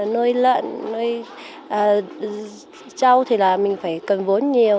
nuôi lợn nuôi trâu thì là mình phải cần vốn nhiều